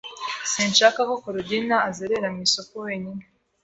Sinshaka ko Korodina azerera mu isoko wenyine.